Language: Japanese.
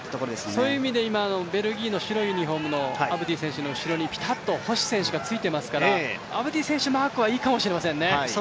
そういう意味でベルギーの白いユニフォームのアブディ選手の後ろに星選手がぴたっとついていますからアブディ選手マークはいいかもしれませんね。